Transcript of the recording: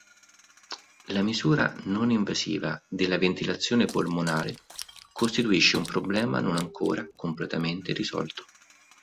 La misura non invasiva della ventilazione polmonare costituisce un problema non ancora completamente risolto.